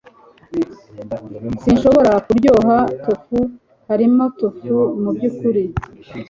sinshobora kuryoha tofu. harimo tofu mubyukuri